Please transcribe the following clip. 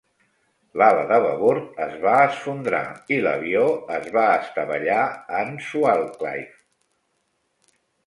L'ala de babord es va esfondrar i l'avió es va estavellar en Swalcliffe.